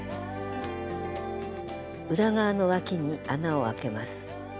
裏側のわきに穴をあけます。